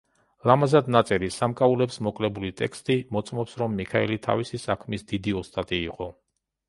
ლამაზად ნაწერი, სამკაულებს მოკლებული ტექსტი მოწმობს, რომ მიქაელი თავისი საქმის დიდი ოსტატი იყო.